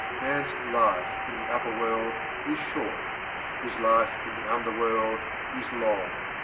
Man's life in the upper world is short: his life in the under world is long.